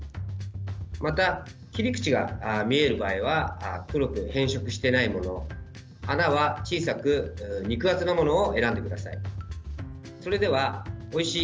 また、切り口が見える場合は黒く変色していないもの穴は小さく肉厚のものを選んでください。